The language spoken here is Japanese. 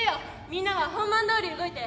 みんなは本番どおり動いて。